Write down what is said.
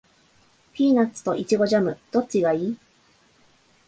ピーナッツとイチゴジャム、どっちがいい？